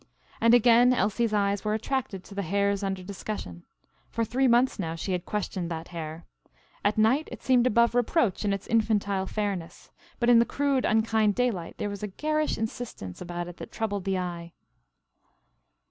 And again Elsie's eyes were attracted to the hairs under discussion. For three months now she had questioned that hair. At night it seemed above reproach in its infantile fairness, but in the crude unkind daylight there was a garish insistence about it that troubled the eye.